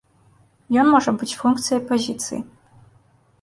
Ён можа быць функцыяй пазіцыі.